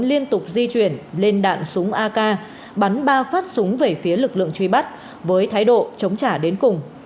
liên tục di chuyển lên đạn súng ak bắn ba phát súng về phía lực lượng truy bắt với thái độ chống trả đến cùng